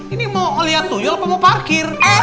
ini mau lihat tuyul apa mau parkir